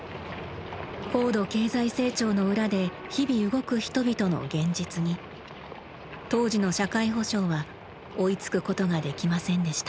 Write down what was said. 高度経済成長の裏で日々動く人々の「現実」に当時の社会保障は追いつくことができませんでした。